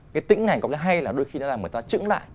cái tĩnh hình ảnh có cái hay là đôi khi nó làm người ta trứng lại